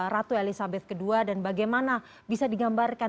ratu elizabeth ii dan bagaimana bisa digambarkan